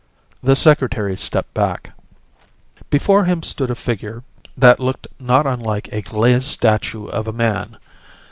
The Secretary stepped back. Before him stood a figure that looked not unlike a glazed statue of a man.